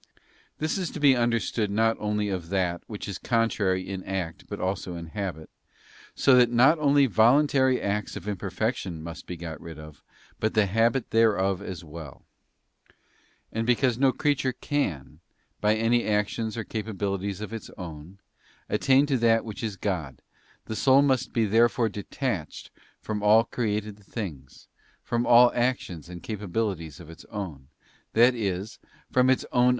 This is to be understood not only of that which is contrary in act but also in habit, so that not only voluntary acts of imperfection must be got rid of, but the habit thereof as well, And because no creature can, by any actions or capa bilities of its own, attain to that which is God, the soul must be therefore detached from all created things, from all | actions and capabilities of its own, that is from its own ss COOPERATION OF THE WILL NECESSARY.